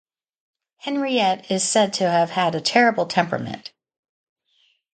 Henriette is said to have had a terrible temperament.